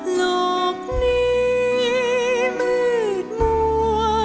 หลอกนี้มืดมัว